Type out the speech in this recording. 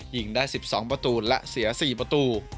ยิงได้๑๒ประตูและเสีย๔ประตู